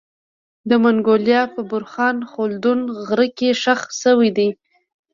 د منګولیا په بورخان خلدون غره کي خښ سوی دی